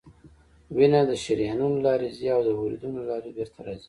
وینه د شریانونو له لارې ځي او د وریدونو له لارې بیرته راځي